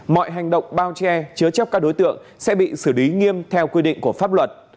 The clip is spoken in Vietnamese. mọi hành động bao che chứa chấp các đối tượng sẽ bị xử lý nghiêm theo quy định của pháp luật